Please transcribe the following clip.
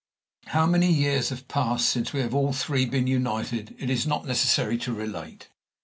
How many years have passed since we have all three been united it is not necessary to relate.